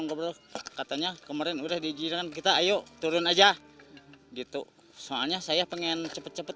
ngobrol katanya kemarin udah diizinkan kita ayo turun aja gitu soalnya saya pengen cepet cepet